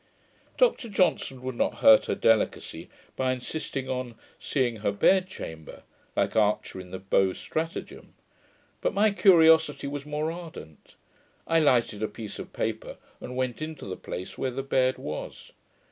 "' Dr Johnson would not hurt her delicacy, by insisting on 'seeing her bedchamber', like Archer in The Beaux' Stratagem. But my curiosity was more ardent; I lighted a piece of paper, and went into the place where the bed was.